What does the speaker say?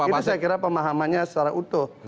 ini saya kira pemahamannya secara utuh